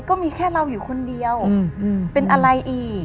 ก็มีแค่เราอยู่คนเดียวเป็นอะไรอีก